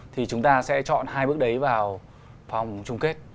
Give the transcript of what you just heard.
thì chúng ta sẽ chọn hai bức đấy vào phòng trung kết